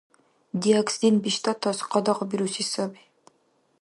Диоксидин биштӀатас къадагъабируси саби.